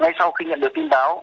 ngay sau khi nhận được tin báo